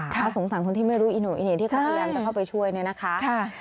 ค่ะสงสัยคนที่ไม่รู้อีหนูอีเนธที่ก็พยายามจะเข้าไปช่วยเนี่ยนะคะ